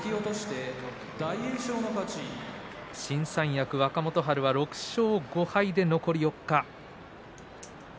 新三役、若元春は６勝５敗で残り４日。